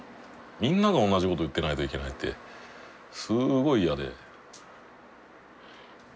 みんなが同じこと言ってないといけないってすごい嫌で。